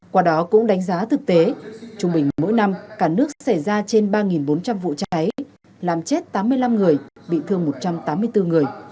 qua đó cũng đánh giá thực tế trung bình mỗi năm cả nước xảy ra trên ba bốn trăm linh vụ cháy làm chết tám mươi năm người bị thương một trăm tám mươi bốn người